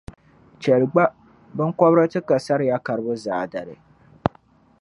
Chɛli gba, binkɔbiri ti ka sariya karibu zaadali.